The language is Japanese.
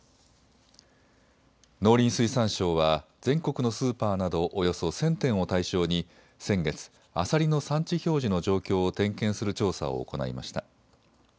農林水産省は全国のスーパーなどおよそ１０００店を対象に先月、アサリの産地表示の状況を点検する調査を行いました。